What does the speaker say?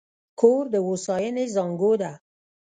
کور د هوساینې زانګو ده.